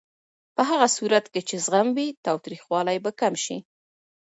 په هغه صورت کې چې زغم وي، تاوتریخوالی به کم شي.